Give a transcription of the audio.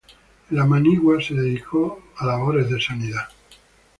En la manigua se dedicó a labores de sanidad.